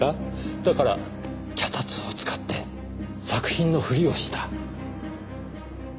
だから脚立を使って作品のふりをした。